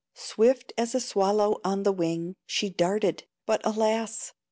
Swift as a swallow on the wing She darted, but, alas!